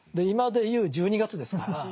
今でいう１２月ですから。